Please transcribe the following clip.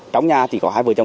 trong nhà thì có hai vợ chồng